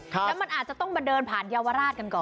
แล้วมันอาจจะต้องมาเดินผ่านเยาวราชกันก่อน